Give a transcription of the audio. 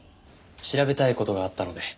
調べたい事があったので。